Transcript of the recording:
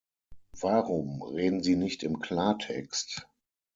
Warum reden Sie nicht im Klartext?